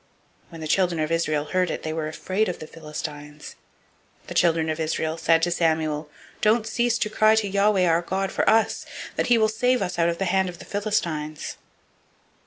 When the children of Israel heard it, they were afraid of the Philistines. 007:008 The children of Israel said to Samuel, "Don't cease to cry to Yahweh our God for us, that he will save us out of the hand of the Philistines."